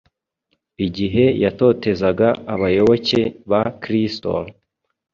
Igihe yatotezaga abayoboke ba Kristo,